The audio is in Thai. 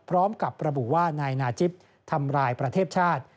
พร้อมกับระบุว่านายนาจิปทำร้ายประเทศชาติ